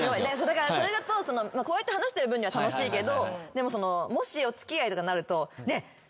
だからそれだとこうやって話してる分には楽しいけどもしお付き合いとかなると。